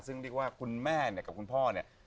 ซึ่งคุณแม่กับคุณพ่อเนี่ย